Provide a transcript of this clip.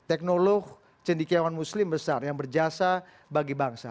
teknolog cendekiawan muslim besar yang berjasa bagi bangsa